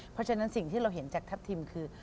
เพราะฉะนั้นสิ่งที่เราเห็นจากทัพทิมคือ